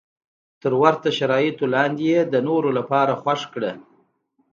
تر ورته شرایطو لاندې یې د نورو لپاره خوښ کړه.